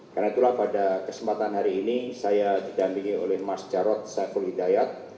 karena itulah pada kesempatan hari ini saya didampingi oleh mas jarod saiful hidayat